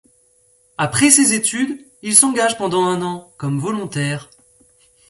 Après ses études, il s'engage pendant un an comme volontaire.